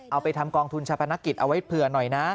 เอาไปทำกองทุนชาพนักกิจเอาไว้เผื่อหน่อยนะ